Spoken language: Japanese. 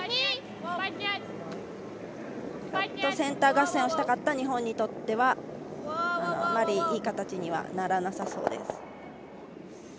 もっとセンター合戦をしたかった日本にとってはあまり、いい形にはならなさそうです。